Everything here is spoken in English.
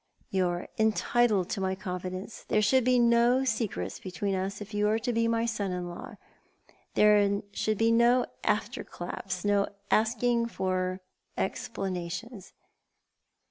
"You are entitled to my confidence. There should be no secrets between us if you are to be my son in law. There must be no after claps; no asking for explanations.